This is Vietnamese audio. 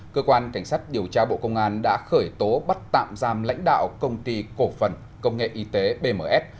cơ quan cảnh sát điều tra bộ công an đã khởi tố bắt tạm giam lãnh đạo công ty cổ phần công nghệ y tế bms